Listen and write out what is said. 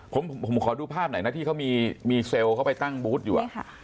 ผมขอดูภาพหน่อยนะที่เขามีเซลล์เขาไปตั้งบูธอยู่